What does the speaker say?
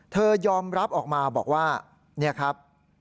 เธอยอมรับออกมาบอกว่าเนี่ยครับ